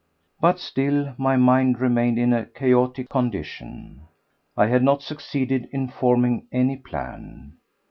But still my mind remained in a chaotic condition. I had not succeeded in forming any plan.